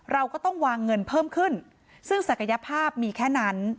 เราก็ต้องวางเงินเพิ่มขึ้นซึ่งศักยภาพมีแค่นั้น